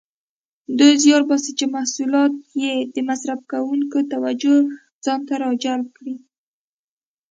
دوی زیار باسي چې محصولات یې د مصرف کوونکو توجه ځانته راجلب کړي.